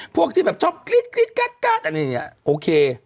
พวกที่แบบชอบกรี๊ดการ์ดอันนี้เนี่ยโอเค